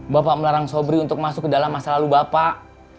bapak melarang sobri untuk masuk ke dalam masa lalu bapak